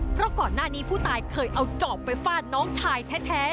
เพราะก่อนหน้านี้ผู้ตายเคยเอาจอบไปฟาดน้องชายแท้